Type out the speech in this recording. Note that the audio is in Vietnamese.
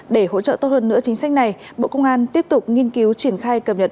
để hỗ trợ tốt hơn nữa chính sách này bộ công an tiếp tục nghiên cứu triển khai cập nhật